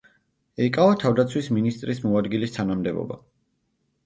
ეკავა თავდაცვის მინისტრის მოადგილის თანამდებობა.